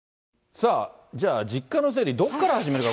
さあ、じゃあ、実家の整理、どこから始めるか。